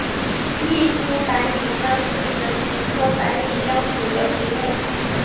异株百里香是唇形科百里香属的植物。